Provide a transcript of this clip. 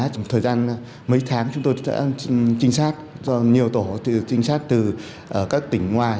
trong thời gian mấy tháng chúng tôi đã trinh sát do nhiều tổ trinh sát từ các tỉnh ngoài